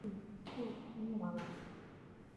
奔宁山脉断裂带是一个自西北向东南的断裂带。